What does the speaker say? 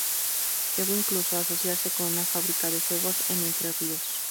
Llegó incluso a asociarse con una fábrica de jugos en Entre Ríos.